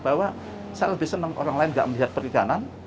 bahwa saya lebih senang orang lain tidak melihat perikanan